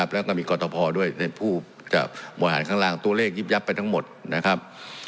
แล้วก็มีกรทพอด้วยในผู้จะบริหารข้างล่างตัวเลขยิบยับไปทั้งหมดนะครับ